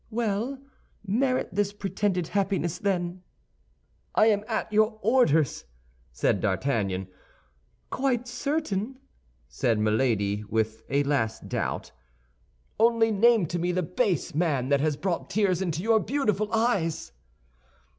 "Well, merit this pretended happiness, then!" "I am at your orders," said D'Artagnan. "Quite certain?" said Milady, with a last doubt. "Only name to me the base man that has brought tears into your beautiful eyes!"